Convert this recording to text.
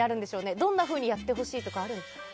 どんなふうにやってほしいとかあるんですか？